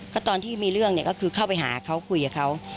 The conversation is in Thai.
ก็ตอนที่มีเรื่องเนี่ยก็คือเข้าไปหาเขาคุยกับเขา